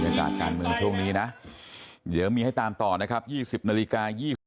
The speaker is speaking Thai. จะกินช็อคมิ้นท์ไม่อยากกินช็อคฟิล์ม